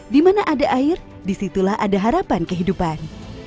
di mana ada air disitulah ada harapan kehidupan